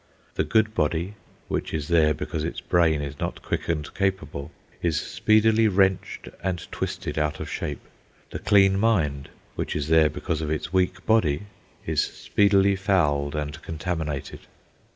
The good body (which is there because its brain is not quick and capable) is speedily wrenched and twisted out of shape; the clean mind (which is there because of its weak body) is speedily fouled and contaminated.